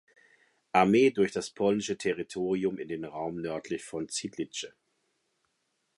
Armee durch das polnische Territorium in den Raum nördlich von Siedlce.